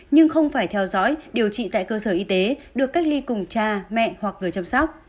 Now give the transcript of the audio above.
nhưng không phải theo dõi điều trị tại cơ sở y tế được cách ly cùng cha mẹ hoặc người chăm sóc